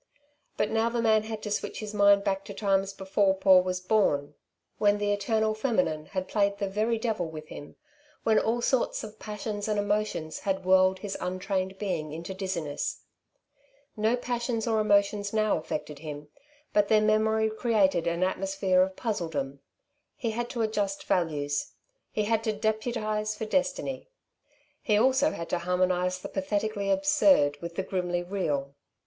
But now the man had to switch his mind back to times before Paul was born, when the eternal feminine had played the very devil with him, when all sorts of passions and emotions had whirled his untrained being into dizziness. No passions or emotions now affected him; but their memory created an atmosphere of puzzledom. He had to adjust values. He had to deputize for Destiny. He also had to harmonize the pathetically absurd with the grimly real.